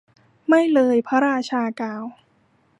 ไม่เลย พระราชากล่าว